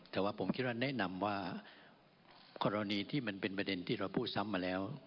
แต่ว่าผมคิดว่าแนะนำว่ากรณีที่มันเป็นประเด็นที่เราพูดซ้ำมาแล้ว